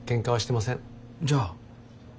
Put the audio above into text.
じゃあ？